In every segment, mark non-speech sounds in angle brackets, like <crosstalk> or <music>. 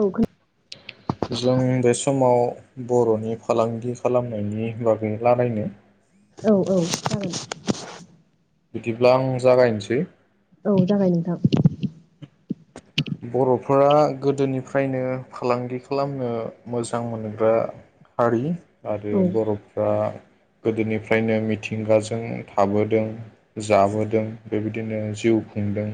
औ खोन जों बे समाव बर'नि फालांगि खालामनायनि बागै लारायनो। औ औ जागोन। बिदिब्ला आं जागायनोसै। औ जागाय नोंथां। बर'फोरा गोदोनिफ्रायनो फालांगि खालामनो मोजां मोनग्रा हारि। आरो औ बर'फ्रा गोदोनिफ्रायनो मिथिंगाजों थाबोदों जाबोदों बेबायदिनो जिउ खुंदों।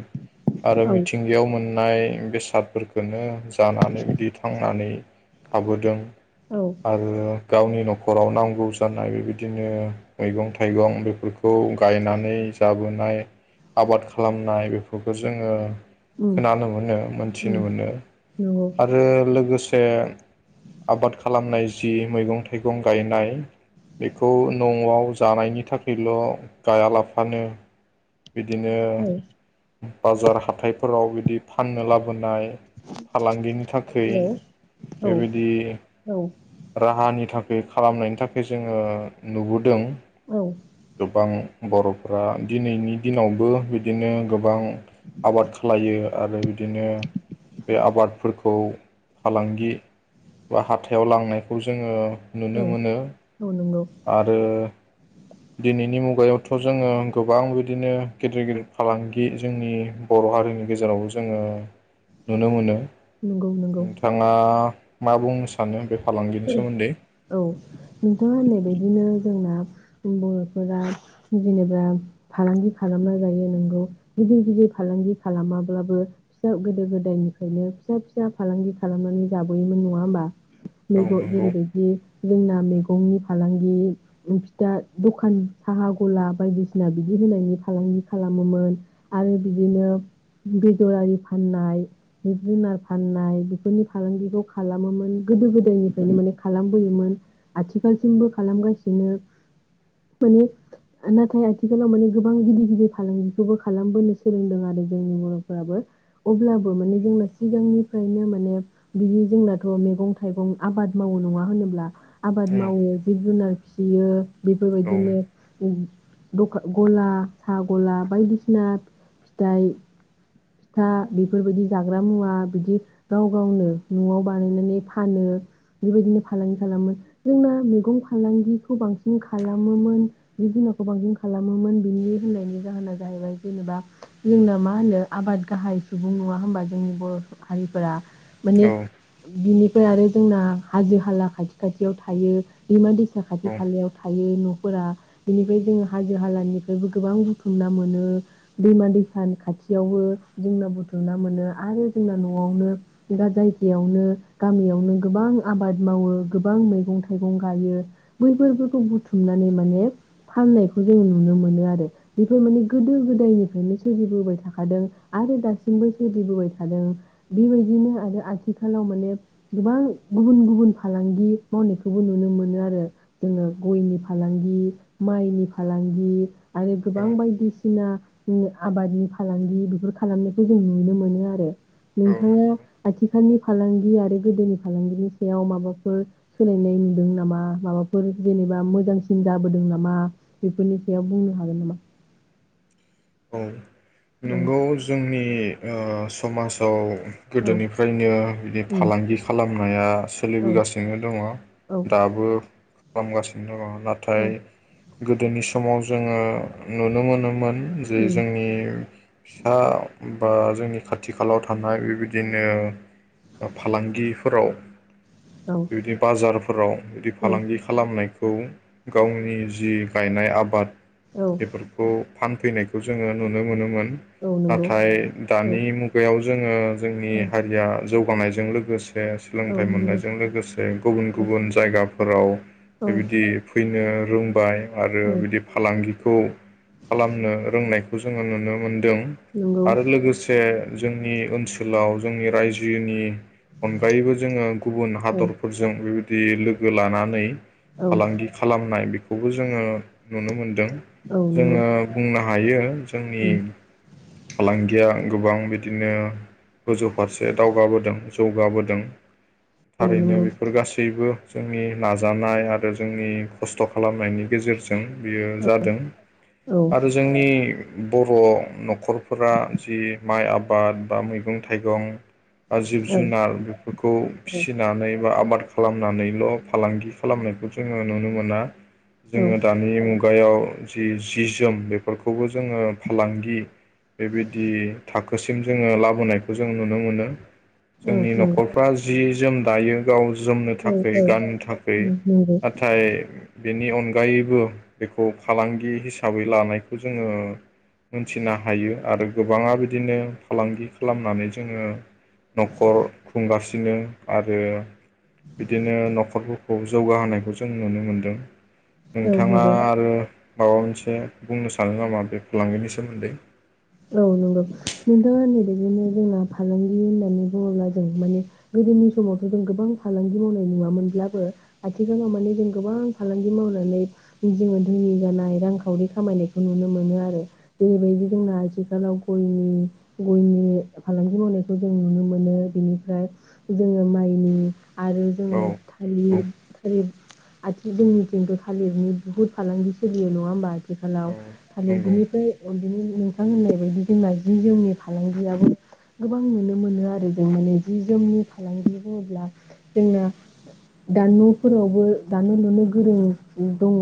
आरो औ मिथिंगायाव मोन नाय बेसादफोरखोनो जानानै बिदि थांनानै थाबोदों औ आरो गावनि नखराव नांगौ जानाय बिदिनो मैगं थाइगं बेफोरखौ गायनानै जाबोनाय, आबाद खालामनाय, बेफोरखौ जोङो उम खोनानो मोनो उम मोनथिनो मोनो नंगौ आरो लोगोस से आबाद खालामनाय जि मैगं थाइगं गायनाय बेखौ नंआव जानायनि थाखैल गायालाफानो बिदिनो औ बाजार हाथायफोराव बिदि फाननो लाबोनाय फालांगिनि थाखै हेल' औ बेबायदि औ राहानि थाखै खालामनायनि थाखै जोङो नुबोदों। औ। गोबां बर'फ्रा दिनैनि दिनावबो बिदिनो गोबां आबाद खालायो आरो बिदिनो बे आबादफोरखौ फालांगि बा हाथायाव लांनायखौ जोङो नुनो मोनो औ नंगौ आरो नि मुगायावथ' जोङो गोबां बिदिनो गिदिर गिदिर फालांगि जोंनि बर' हारिनि गेजेरावबो जोङो नुनो मोनो। नंगौ नंगौ नोंथाङा मा बुंनो सानो बे फालांगिनि सोमोन्दै औ नोंथाङा होनाय बायदिनो जोंना बर'फोरा जेनेबा फालांगि खालामना जायो नोंगौ गिदिर गिदिर फालांगि खालामाब्लाबो फिसा गोदो गोदायनिफ्रायनो फिसा फिसा फालांगि खालामनानै जाबोयोमोन नङा होमबा? औ मैग नंगौ जेरैबायदि जोंना मैगंनि फालांगि फिथा द'खान साहा गला बायदिसिना बिदि होनायनि फालांगि खालामोमोन आरो बिदिनो बेदरारि फाननाय, जिब जुनार फाननाय, बेफोरनि फालांगिखौ खालामोमोन गोदो गो दायनिफ्रायनो माने खालामबोयोमोन। आथिखालसिमबो खालामगासिनो माने नाथाय आथिखालाव माने गोबां गिदिर गिदिर फालांगिखौबो खालामबोनो सोलोंदों आरो जोंनि बरफोराबो अब्लाबो माने जोंना सिगांनिफ्रायनो माने बिदि जोंनाथ मैगं थाइगं आबाद मावो नङा होनोब्ला आबाद औ मावो जिब जुनार फिसियो औ बेफोरबायदिनो दखा गला सा गला बायदिसिना फिथाइ फिथा बेफोरबायदि जाग्रा मुवा बिदि गाव गावनो न'आव बानायनानै फानो। बेबायदिनो फालांगि खालामो जोंना मैगं फालांगिखौ बांसिन खालामोमोन, जिब जुनारखौ बांसिन खालामोमोन, बिनि होननायनि जाहोना जाहैबाय जेनेबा जोंना मा होनो आबाद गाहाय सुबुं नङा होमबा जोंनि बर' हारिफोरा? माने नंगौ बिनि फाय आरो जोंना हाजो हाला खाथि खाथियाव थायो, दैमा दैसा खाथि खालायाव थायो नफोरा बेनिफ्राय जों हाजो हालानिफ्रायबो गोबां बुथुमना मोनो। दैमा दैसानि खाथियावबो जोंना बुथुमना मोनो आरो जोंना नआवनो दा जायगायावनो गामियावनो गोबां आबाद मावो, गोबां मैगं थाइगं गायो बैफोरखौ बुथुमनानै माने फाननायखौ जों नुनो मोनो आरो। बेफोर माने गोदो गोदायनिफ्रायनो सोलिबोबाय थाखादों आरो दासिमबो सोलिबोबाय थादों । बेबायदिनो आरो आथिखालाव माने गोबां गुबुन गुबुन फालांगि मावनायखौबो नुनो मोनो आरो जोङो गयनि फालांगि, माइनि फालांगि आरो औ गोबां बायदिसिना उम आबादनि फालांगि बेफोर खालामनायखौ जों नुनो मोनो आरो। नोंथाङा नंगौ आथिखालनि फालांगि आरो गोदोनि फालांगिनि सायाव माबाफोर सोलायनाय नुदों नामा? माबाफोर जेनेबा मोजांसिन जाबोदों नामा बेफोरनि सायाव बुंनो हागोन नामा? औ औ नोंगौ जोंनि। नि ओ समाजाव। औ गोदोनिफ्रायनो बिदि उम फालांगि खालामनाया औ सोलिबोगासिनो दङ औ दाबो। ख्लामगासिनो दंङ नाथाय। गोदोनि समाव जोंङो नुनो मोनोमोन जे उम जोंनि फिसा बा जोंनि खाथि खालाव थानाय बेबायदिनो ओ फालांगिफोराव औ बिदि बाजारफोराव बिदि औ फालांगि खालामनाय। खौ गावनि जि गायनाय आबाद औ बेफोरखौ फानफैनाय जोंङो नुनो मोनोमोन औ नंगौ नाथाय औ दानि मुगायाव जोंङो जोंनि हारिया जौ बानायजों लोगोस ओ औ सोलोंथाइ नंगौ मोननायजों लोगोसे गुबुन औ गुबुन जायगाफोराव औ बेबायदि फै जोंङो रोंबाय आरो बिदि फालांगि खौ खालामनो। फोरोंनायखौ जोंङो नुनो मोन्दों। नंगौ आरो लोगोसे। जोंनि ओनसोलाव जोंनि रायजोनि अनगायैबो जोंङो गुबुन औ हादरफोरजों बे। दि लोगो लानानै औ फालांगि खालामनाय बेखो‌ बेखौ जोंङो। नुनो मोनदों औ नंगौ जोंङो बुंनो ह। हायो। जोंनि उम फालांगिया गोबां बिदिनो गोजौ फारसे दावगाबोदों जौगाबोदों। औ थारैनो नंगौ बेफोर गासैबो जोंनि नाजानाय आरो जोंनि खस्थ' खालामनायनि गेजेरजों दों बेयो जादों औ औ आरो जोंनि। बर' न'खर। फोरा जि माइ आबाद बा मैगं थाइगं। बा जिब औ जुनार बेफोरखौ फिसिनानै बा आबाद। खालामनानैल फालांगि खालामनायखौ जोङो नुनो मोना। औ जोङो दानि मुगा गायाव जि जि जोम बेफोरखौबो जोङो फालांगि बेबायदि थाखोसिम जोङो लाबोनायखौ जों नुनो मोनो। औ जोंनि नंगौ न'खरफ्रा जि जोम दायो गाव जोमनो औ थाखाय गाननो थाखाय उम नंगौ नाथाय बेनि अनगायैबो बेखौ फालांगि हिसाबै लानायखौ जोङो मोनथिनो हायो। आरो गोबाङा बिदिनो फालांगि खालामनानै जोङो नखर खुंगासिनो आरो बिदिनो न'खरफोरखौ जौगाहोनायखौ जों नुनो मोनदों। औ नोंथाङा नंगौ आरो माबा मोनसे बुंनो सानो नामा बे फालांगिनि सोमोन्दै? औ नंगौ नोंथांङा बिदिनो जोंना फालांगि होननानै बुङोब्ला जों माने गोदोनि समावथ' जों गोबां फालांगि मावनाय नुवामोनब्लाबो आथिखालाव माने जों गोबां फालांगि मावनानै जोङो धोनि जानाय रांखावरि खामायनायखौ नुनो मोनो आरो बेबायदि जोंना आथिखालाव गयनि गयनि फालांगि मावनायखौ जों नुनो मोनो बिनिफ्राय जोङो माइनि आरो औ जोङो नंगौ थालिर <unintelligible> आथि जोंनिथिंथ' थालिरनि बुहुद फालांगि सोलियो नङा होमबा आ। आथिखालाव औ थालिर नंगौ बिनिफ्राय उन्दनि नोथां होननाय बायदि जोंना जि जोमनि फालांगियाबो गोबां नुनो मोनो आरो जों माने जि जोमनि फालांगि बुङोब्ला जोंना दा न'फोरावबो दानो लुनो गोरों दङ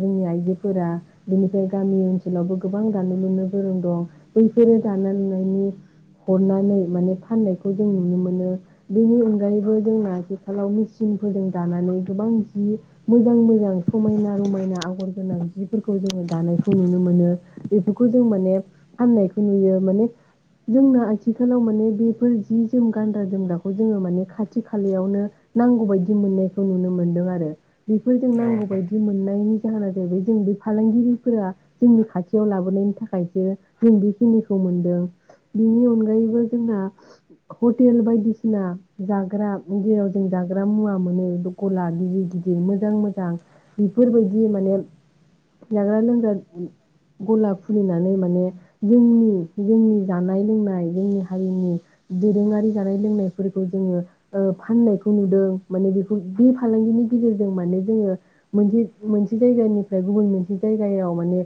जोंनि आइजोफोरा बेनिफ्राय गामि ओनसोलावबो गोबां दानो लुनो। गोरों दं बैफोरो दानाय लुनायनि हरनानै माने फाननायखौ जों नुनो मोनो बेनि अनगायैबो जोंना आथिखालाव मेसिनफोरजों दानानै गोबां जि मोजां मोजां समायना रमायना आगर गोनां जिफोरखौ जोङो दानायखौ नुनो मोनो बेफोरखौ जों माने फाननायखौ नुयो माने जोंना आथिखालाव माने बेफोर जि जोम गानग्रा जोमग्राखौ जोङो माने खाथि खालायावनो नांगौ बायदि मोननायखौ नुनो मोनदों आरो। बेफोरजों औ नांगौबायदि नंगौ मोननायनि जाहोना जाहैबाय जों बे फालांगिरिफोरा जोंनि खाथियाव लाबोनायनि थाखाय। थाखायसो जों बेखिनिखौ मोनदों बिनि अनगायैबो जोंना हटेल बायदिसिना जाग्रा जेराव जों जाग्रा मुवा मोनो गला गिदिर गिदिर मोजां मोजां बेफोरबायदि माने जाग्रा लोंग्रा गला। खुलिनानै माने जोंनि जोंनि जानाय लोंनाय जोंनि हारिनि दोरोङारि जानाय लोंनायफोरखौ जोङो ओ फाननायखौ नुदों माने बेखौ बे फालांगिनि गेजेरजों माने जोङो मोनसे मोनसे जायगानिफ्राय गुबुन मोनसे जायगायाव माने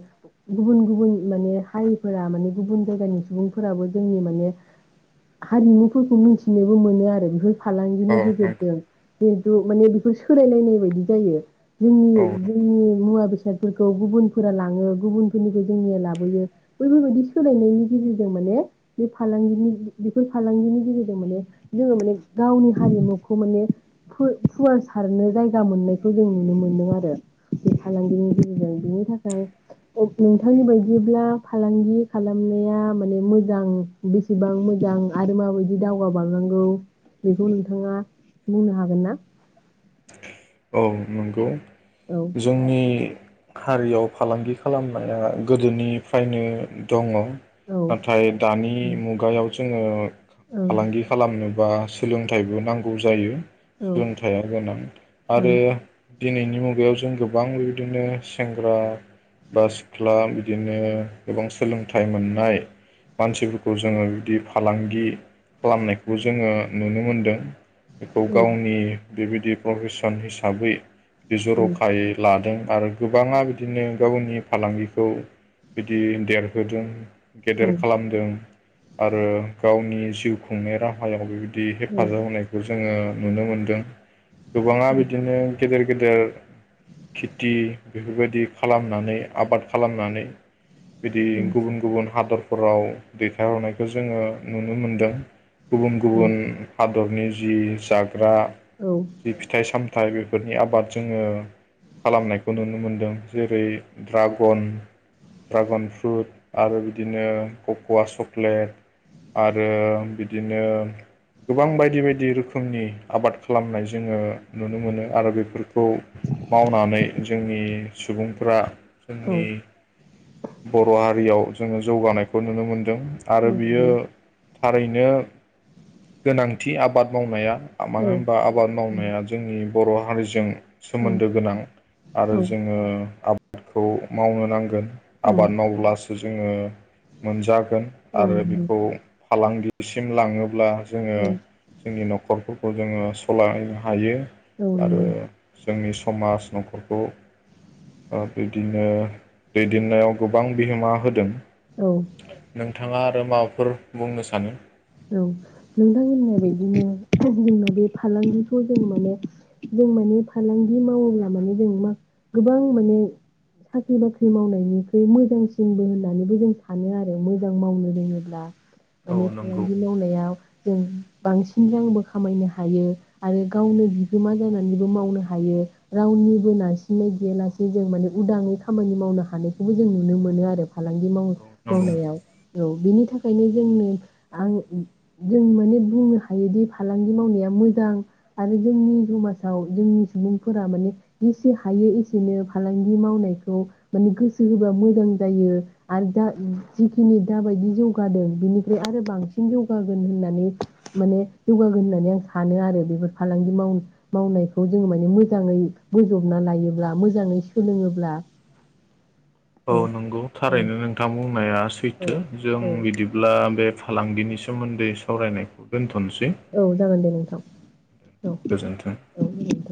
गुबुन गुबुन माने हारिफोरा माने गुबुन जायगानि सुबुंफोराबो जोंनि माने हारिमुफोरखौ मिथिनोबो मोनो आरो बेफोर औ फालांगिनि नंगौ गेजेरजों जिहेथु माने बेफोर सोलायलायनाय बायदि जायो। जोंनि औ नंगौ। जोंनि मुवा बेसाद। बेसादफोरखौ गुबुनफोरा लाङो गुबुनफोरनिखौ जोंनिया लाबो लाबोयो बैफोरबायदि सोलायनायनि गेजेरजों माने बे फालांगिनि बेफोर फालांगिनि गेजेरजों माने जोङो माने गावनि हारिमुखौ माने फो फुवार सारनो जायगा मोननायखौ जों नुनो मोनदों आरो बे फालांगिनि गेजेरजों बेनि थाखाय नोंथांनि बाय जेब्ला फालांगि खालामनाया माने मोजां बेसेबां मोजां आरो माबायदि दावगाबांनांगौ बेखौ नोंथाङा बुंनो हागोन ना? औ नंगौ। औ जोंनि। हारियाव फालांगि खालामनाया गोदोनिफ्रायनो दङ। औ नाथाय दानि मुगायाव जोङो औ फालांगि खालामनो बा सोलोंथाइबो नांगौ जायो। औ सोलोंथाइ आ गोनां। आरो औ दिनैनि मुगायाव औ जों गोबां बिबदिनो सेंग्रा बा सिख्ला बिदिनो गोबां सोलोंथाइ मोननाय मानसिफोरखौ जोङो बिदि फालांगि खालामनायखौबो जोङो नुनो मोनदों। बेखौ औ गावनि बेबायदि प्रफेस न हिसाबै बि उम जरखायै लादों। आरो गोबाङा बिदिनो गावनि फालांगिखौ बिदि देरहोदों, गेदेर खालामदों। आरो गावनि जिउ खुंनाय राहायाव बेबाय दि ओं औ उम हेफाजाब होनायखौ जोङो नुनो मोनदों। गोबाङा बिदिनो गेदेर गेदेर खेथि बेफोरबायदि खालामनानै आबाद खालामनानै बिदि उम गुबुन गुबुन हादर फोराव दैथायहरनायखौ जोङो नुनो मोनदों। गुबुन गुबुन हा दरनि जि जा ग्रा, फिथाइ सामथाइ बेफोरनि आबाद जोङो खालामनायखौ नुनो मोनदों। जेरै द्रागन ड्रागन फ्रुट आरो बिदिनो ककवा चक्लेट आरो बिदिनो गोबां बायदि बायदि रोखोमनि आबाद खालामनाय जोङो नुनो मोनो आरो बेफोरखौ मावनानै जोंनि सुबुंफ्रा जोंनि बर हारियाव जोङो जौगानायखौ नुनो मोनदों। आरो बियो थारैनो गोनांथि आबाद मावनाया मानो होनबा आबाद मावनाया जोंनि बर हारिजों सोमोन्दो गोनां आरो जोङो आ बादखौ मावनो नांगोन। आबाद मावोब्लासो जोङो मोनजागोन उम औ नंगौ औ आरो नंगौ बेखौ फालांगिसिम लाङोब्ला जोङो औ जोंनि न'खरखौ खौ जोङो सालायनो हायो औ आरो नोंगौ। जोंनि समाज न'खरखौ औ बिदिनो दैदेननायाव गोबां बिहोमा होदों औ नोंथाङा आरो माबाफोर बुंनो सानो औ नोंथांमोनहा बेदिनो जोंनाव बे फालांगिखौ जों माने जों माने फालांगि मावोब्ला माने जों मा गोबां माने साख्रि बाख्रि मावनायनिख्रुइ मोजांसिनबो होननानैबो जों सानो आरो मोजां मावनो रोङोब्ला औ माने नो फालांगि मावनायाव जों बांसिन रांबो खामायनो हायो आरो गावनो बिगोमा जानानैबो मावनो हायो रावनिबो नारसिननाय गैयालासे जों माने उदाङै खामानि मावनो हानायखौबो जों नुनो मोनो आरो फालांगि मावनो औ नंगौ मावनायाव औ बिनि थाखायनो जोंनो आं जों माने बुंनो हायोदि फालांगि मावनाया मोजां आरो जोंनि समाजाव जोंनि सुबुंफोरा माने जेसे हायो एसेनो फालांगि मावनायखौ माने गोसो होबा मोजां जायो आरो दा जिखिनि दाबायदि जौगादों बेनिफ्राय आरो बांसिन बांसिन जौगागोन होननानै माने जौगागोन होननानै आं सानो आरो बेफोर फालांगि माव-मावनायखौ जोङो माने मोजाङै बोजबना लायोब्ला मोजाङै सोलोङोब्ला औ नंगौ औ थारैनो नोंथां बुं या औ सैथो जों औ बिदिब्ला बे फालांगिनि सोमोन्दै सावरायनायखौ दोनथ' औ जागोन दे नोंथां। औ गोजोन्थों। औ गोजोनथों